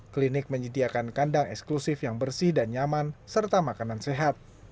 klinik menyediakan kandang eksklusif yang bersih dan nyaman serta makanan sehat